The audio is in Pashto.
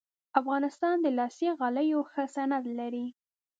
افغانستان د لاسي غالیو ښه صنعت لري